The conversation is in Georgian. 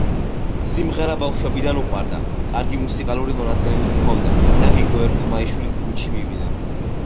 სიმღერა ბავშვობიდან უყვარდა, კარგი მუსიკალური მონაცემები ჰქონდა და გიგო ერქომაიშვილის გუნდში მივიდა.